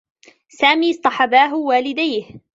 سامي اصطحباه والديه.